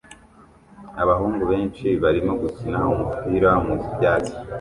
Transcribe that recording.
Abahungu benshi barimo gukina umupira mubyatsi